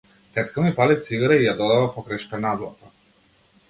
Тетка ми пали цигара и ја додава покрај шпенадлата.